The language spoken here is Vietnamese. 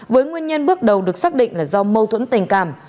với nguyên nhân bước đầu được xác định là do mâu thuẫn tình cảm